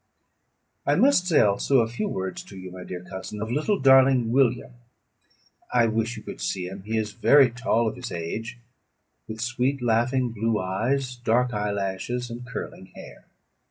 "I must say also a few words to you, my dear cousin, of little darling William. I wish you could see him; he is very tall of his age, with sweet laughing blue eyes, dark eyelashes, and curling hair.